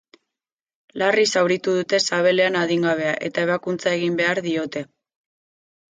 Larri zauritu dute sabelean adingabea eta ebakuntza egin behar diote.